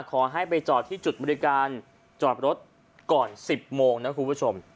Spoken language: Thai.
ขอให้ไปจอดที่จุดบริการจอดรถก่อน๑๐โมงนะคุณผู้ชม